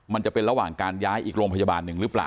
มันจะเป็นระหว่างการย้ายอีกโรงพยาบาลหนึ่งหรือเปล่า